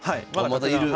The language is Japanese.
まだいる！